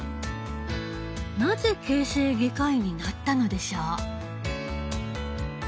なぜ形成外科医になったのでしょう？